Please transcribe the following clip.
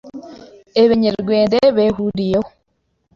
Ebenyerwende behuriyeho,